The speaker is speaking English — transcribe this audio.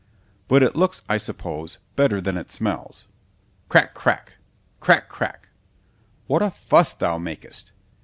But it looks, I suppose, better than it smells——crack, crack——crack, crack——what a fuss thou makest!